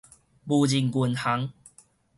無人銀行